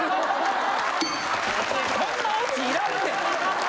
そんなオチいらんねん。